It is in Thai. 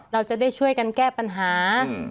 เราจะได้ช่วยกันแก้ปัญหา